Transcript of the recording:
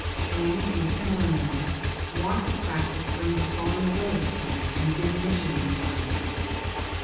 And, in a similar manner, want of practice brings a falling away of strength and diminution in size.